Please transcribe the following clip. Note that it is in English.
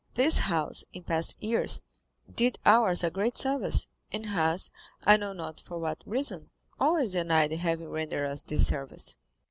This house, in past years, did ours a great service, and has, I know not for what reason, always denied having rendered us this service."